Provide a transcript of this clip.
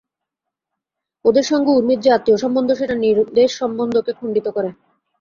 ওদের সঙ্গে ঊর্মির যে আত্মীয়সম্বন্ধ সেটা নীরদের সম্বন্ধকে খণ্ডিত করে।